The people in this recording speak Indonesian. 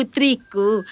aku akan pergi menjelaskan